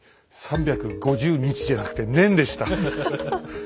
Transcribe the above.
３５０「日」じゃなくて「年」でした。